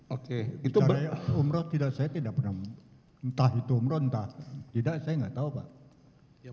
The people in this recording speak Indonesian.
oke itu umroh tidak saya tidak pernah entah itu umrontah tidak saya nggak tahu pak